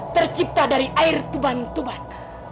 tercipta dari air tuban tuban